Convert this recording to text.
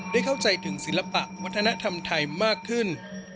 ได้เข้าใจถึงศิลปะวัฒนธรรมไทยมากขึ้น